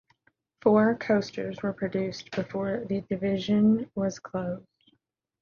Four coasters were produced before that division was closed.